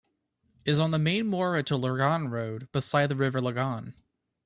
It is on the main Moira to Lurgan road, beside the River Lagan.